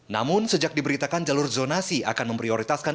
namun sejak diberitakan jalur zonasi akan memprioritaskan